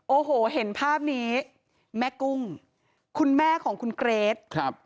โอ้โหเห็นภาพนี้แม่กุ้งคุณแม่ของคุณเกรทครับ